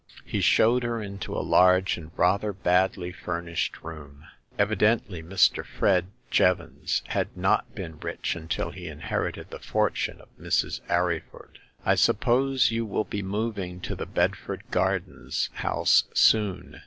He showed her into a large and rather badly furnished room. Evidently Mr. Fred Jevons had not been rich until he inherited the fortune of Mrs. Arryford. I suppose you will be moving to the Bedford Gardens house soon